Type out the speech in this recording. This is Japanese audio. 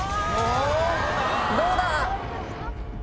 どうだ？